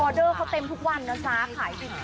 ออเดอร์เขาเต็มทุกวันนะคะขายดินมี